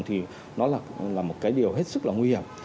thì nó là một cái điều hết sức là nguy hiểm